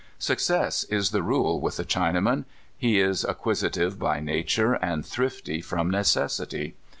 Success is the rule with the Chinaman. He is acquisitive by nature, and thrifty from neces sity.